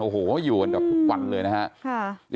โอ้โหอยู่กันแบบทุกวันเลยนะครับ